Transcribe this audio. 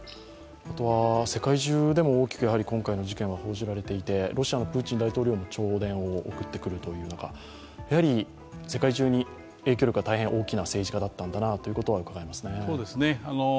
世界中でも大きく今回の事件が報じられていてロシアのプーチン大統領も弔電を送ってくれているやはり世界中に影響力が大変大きな政治家だったんだなとうかがえますね。